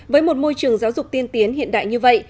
với một môi trường giáo dục tiên tiến hiện đại như vậy